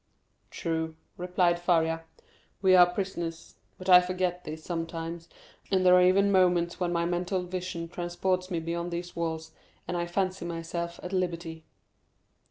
"True," replied Faria, "we are prisoners; but I forget this sometimes, and there are even moments when my mental vision transports me beyond these walls, and I fancy myself at liberty."